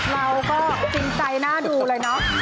เราก็จริงใจน่าดูเลยเนาะ